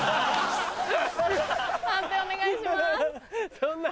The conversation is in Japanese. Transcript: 判定お願いします。